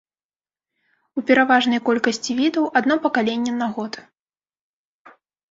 У пераважнай колькасці відаў адно пакаленне на год.